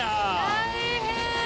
大変！